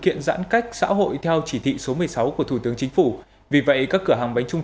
kiện giãn cách xã hội theo chỉ thị số một mươi sáu của thủ tướng chính phủ vì vậy các cửa hàng bánh trung